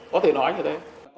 có thể nói như thế